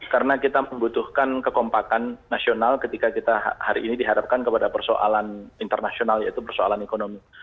karena kita membutuhkan kekompatan nasional ketika kita hari ini dihadapkan kepada persoalan internasional yaitu persoalan ekonomi